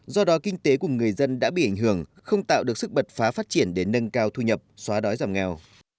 do đó kinh tế của người dân đã bị ảnh hưởng không tạo được sức bật phá phát triển để nâng cao thu nhập xóa đói giảm nghèo